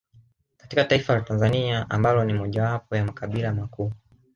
Katika taifa la Tanzania ambalo ni mojawapo ya makabila makuu